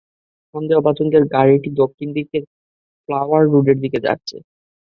সন্দেহভাজনদের গাড়িটি দক্ষিণ দিকে ফ্লাওয়ার রোডের দিকে যাচ্ছে।